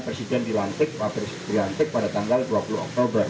presiden dilantik dilantik pada tanggal dua puluh oktober